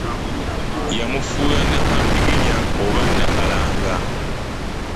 Yamufuula Nakampiginya oba Nakalanga.